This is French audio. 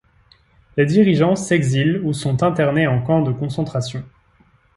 Les dirigeants s'exilent ou sont internés en camps de concentration.